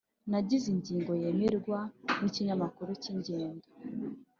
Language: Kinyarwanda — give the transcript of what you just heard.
nagize ingingo yemerwa nikinyamakuru cyingendo.